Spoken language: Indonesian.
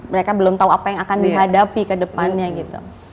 mereka belum tahu apa yang akan dihadapi ke depannya gitu